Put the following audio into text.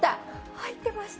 入ってました。